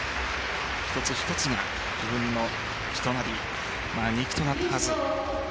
一つ一つが自分の血となり肉となったはず。